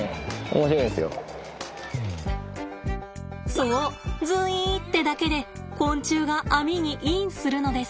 そうズイーってだけで昆虫が網にインするのです。